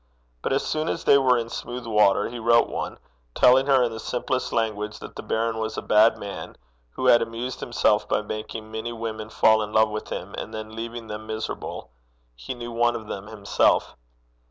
But as soon as they were in smooth water, he wrote one, telling her in the simplest language that the baron was a bad man, who had amused himself by making many women fall in love with him, and then leaving them miserable: he knew one of them himself.